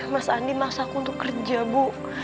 mas andi masaku untuk kerja bu